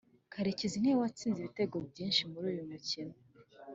Karekezi niwe watsinze ibitego byishi muruyu mukino